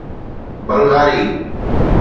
بلغاري